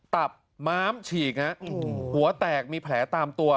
ตับม้ามฉีกหัวแตกมีแผลตามตัว